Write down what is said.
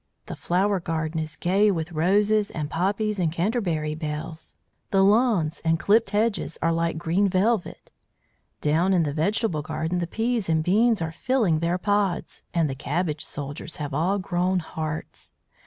The flower garden is gay with roses and poppies and Canterbury bells, the lawns and clipped hedges are like green velvet. "Down in the vegetable garden the peas and beans are filling their pods, and the cabbage soldiers have all grown hearts.